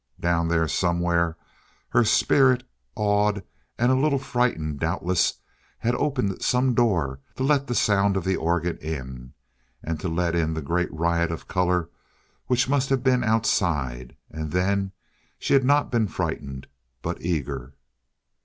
Down there somewhere her spirit awed and a little frightened doubtless had opened some door to let the sound of the organ in and to let in the great riot of color which must have been outside.... And then she had not been frightened, but eager....